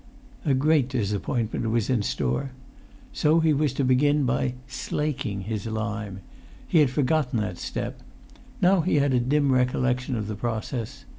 A great disappointment was in store: so he was to begin by "slaking" his lime. He had forgotten that step; now he had a dim recollection of the process.